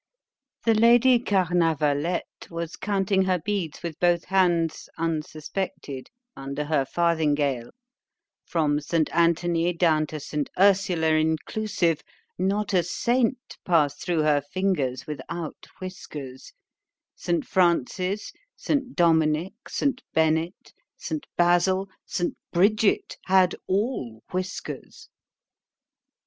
The Lady Carnavallette was counting her beads with both hands, unsuspected, under her farthingal——from St. Antony down to St. Ursula inclusive, not a saint passed through her fingers without whiskers; St. Francis, St. Dominick, St. Bennet, St. Basil, St. Bridget, had all whiskers.